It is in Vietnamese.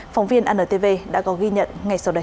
phóng viên antv đã có ghi nhận ngay sau đây